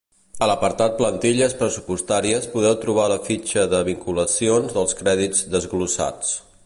A l'apartat plantilles pressupostàries podeu trobar la fitxa de vinculacions dels crèdits desglossats.